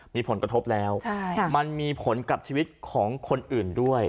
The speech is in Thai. มีผลกระทบแล้วมันมีผลกับชีวิตของคนอื่นด้วย